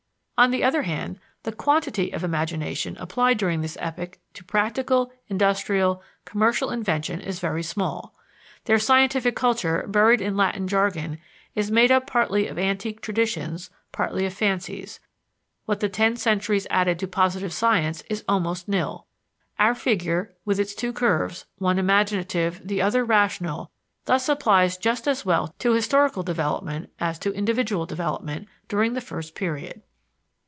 On the other hand, the quantity of imagination applied during this epoch to practical, industrial, commercial invention is very small. Their scientific culture, buried in Latin jargon, is made up partly of antique traditions, partly of fancies; what the ten centuries added to positive science is almost nil. Our figure, with its two curves, one imaginative, the other rational, thus applies just as well to historical development as to individual development during this first period.